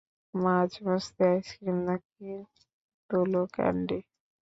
মাজ-মাস্তি, ice cream নাকি তুলো candy?